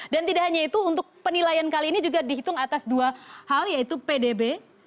dan tidak hanya itu untuk penilaian kali ini juga dihitung atas dua hal yaitu pdb